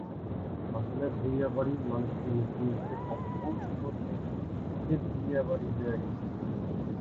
আসলে ‘ভুঁইয়া বাড়ি’ মানুষের মুখে মুখে অপভ্রংশ হতে হতে ‘ভিয়া বাড়ি’ হয়ে গেছে।